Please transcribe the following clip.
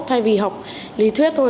thay vì học lý thuyết thôi